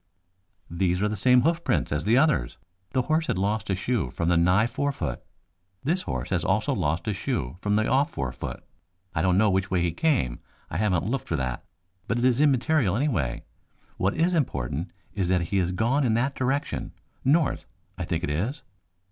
"These are the same hoofprints as the others. The horse had lost a shoe from the nigh fore foot. This horse also has lost a shoe from the off fore foot. I don't know which way he came, I haven't looked for that, but it is immaterial anyway. What is important is that he has gone in that direction north, I think it is."